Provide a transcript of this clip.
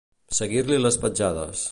Seguir-li les petjades.